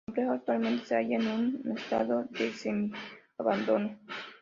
El complejo actualmente se halla en un estado de semi-abandono.